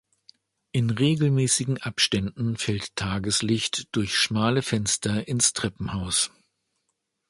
In regelmäßigen Abständen fällt Tageslicht durch schmale Fenster ins Treppenhaus.